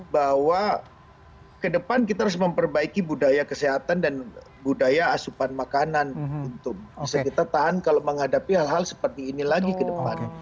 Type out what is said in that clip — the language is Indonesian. bahwa ke depan kita harus memperbaiki budaya kesehatan dan budaya asupan makanan untuk bisa kita tahan kalau menghadapi hal hal seperti ini lagi ke depan